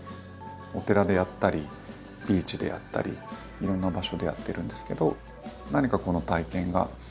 お寺でやったりビーチでやったりいろんな場所でやってるんですけど。